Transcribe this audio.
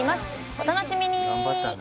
お楽しみに！